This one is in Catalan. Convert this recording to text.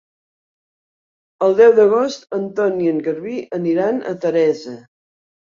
El deu d'agost en Ton i en Garbí aniran a Teresa.